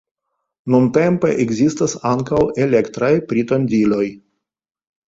Nuntempe ekzistas ankaŭ elektraj pritondiloj.